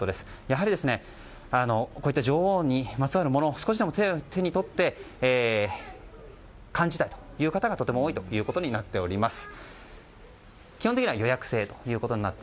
やはり、こういった女王にまつわるものを少しでも手に取って感じたいという方がとても多いということになっております。